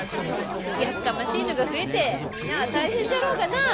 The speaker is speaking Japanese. やっかましいのが増えて皆は大変じゃろうがなあ！